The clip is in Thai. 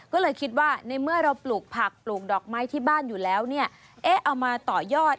ก็เลยคิดว่าในเมื่อเราปลูกผักปลูกดอกไม้ที่บ้านอยู่แล้วเนี่ยเอ๊ะเอามาต่อยอด